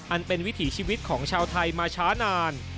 อันเป็นวิถีชีวิตของชาวไทยมาช้านาน